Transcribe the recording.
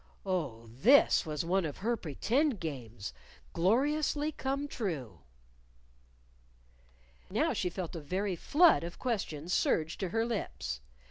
Oh, this was one of her pretend games, gloriously come true! Now she felt a very flood of questions surge to her lips.